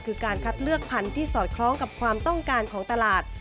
คือการคัดเลือกพันธุ์ที่สอดคล้องกับความต้องการของตลาด